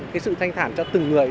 cái sự thanh thản cho từng người